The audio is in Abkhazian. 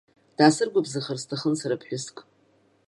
Даасыргәыбзыӷыр сҭахын сара ԥҳәыск.